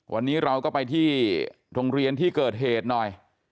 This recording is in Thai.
วันนี้เราก็ไปที่โรงเรียนที่เกิดเหตุหน่อย